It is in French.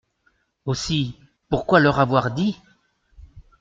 Aussi, pourquoi leur avoir dit ?